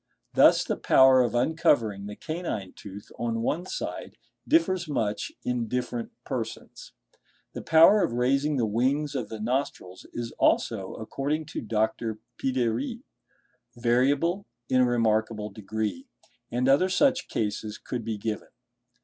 Thus the power of uncovering the canine tooth on one side differs much in different persons. The power of raising the wings of the nostrils is also, according to Dr. Piderit, variable in a remarkable degree; and other such cases could be given.